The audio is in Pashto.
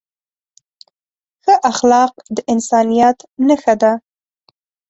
ښه اخلاق د انسانیت نښه ده.